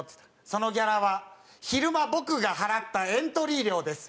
「そのギャラは昼間僕が払ったエントリー料です」。